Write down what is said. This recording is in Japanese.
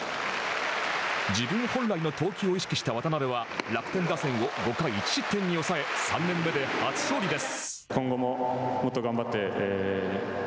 自分本来の投球を意識した渡邉楽天打線を５回１失点に抑え３年目で初勝利です。